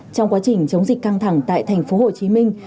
trong quá trình chống dịch căng thẳng tại thành phố hồ chí minh